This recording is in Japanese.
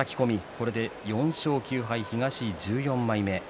これで４勝９敗、東１４枚目。